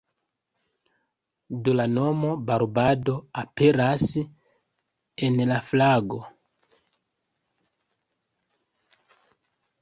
Do la nomo "Barbado" aperas en la flago.